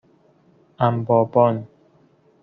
امبابان